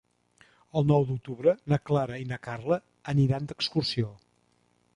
El nou d'octubre na Clara i na Carla aniran d'excursió.